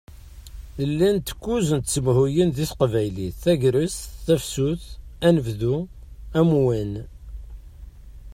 Llant kuẓ n tsemhuyin di teqbaylit: Tagrest, Tafsut, Anebdu, Amwan.